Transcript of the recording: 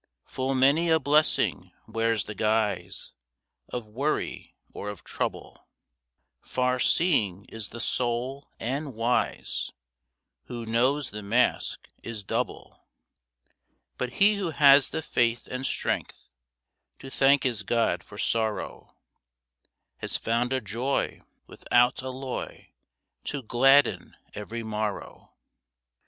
Full many a blessing wears the guise Of worry or of trouble; Far seeing is the soul, and wise, Who knows the mask is double. But he who has the faith and strength To thank his God for sorrow Has found a joy without alloy To gladden every morrow.